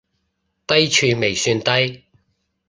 低處未算低